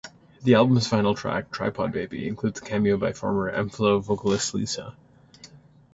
The album's final track, "Tripod Baby", included a cameo by former M-Flo vocalist Lisa.